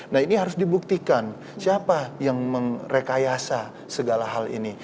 nah ini harus dibuktikan siapa yang merekayasa segala hal ini